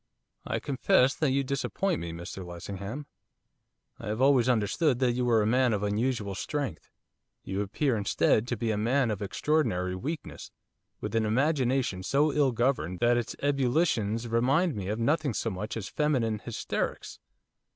'I confess that you disappoint me, Mr Lessingham. I have always understood that you were a man of unusual strength; you appear instead, to be a man of extraordinary weakness; with an imagination so ill governed that its ebullitions remind me of nothing so much as feminine hysterics.